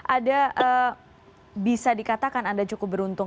ada bisa dikatakan anda cukup beruntung